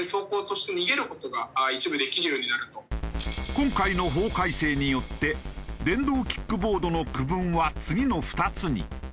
今回の法改正によって電動キックボードの区分は次の２つに。